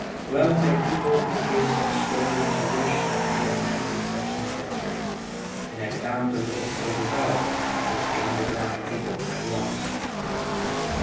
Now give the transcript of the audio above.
Well may people who hear such stories wish that they had met with such an adventure, and had found a little silver bell which the underground people had lost!